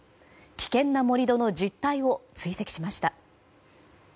危険な盛り土の実態を追跡しました。